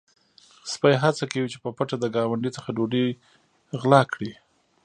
سپی هڅه کوي چې په پټه د ګاونډي څخه ډوډۍ وغلا کړي.